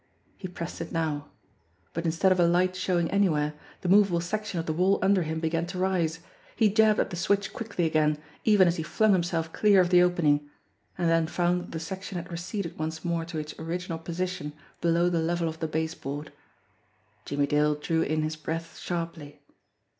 He pressed it now but instead of a light showing anywhere, the movable sec tion of the wall under him began to rise. He jabbed at the switch quickly again, even as he flung himself clear of the opening, and then found that the section had receded once more to its original position below the level of the baseboard. Jimmie Dale drew in his breath sharply.